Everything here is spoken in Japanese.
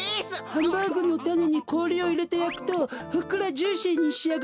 ハンバーグのタネにこおりをいれてやくとふっくらジューシーにしあがります。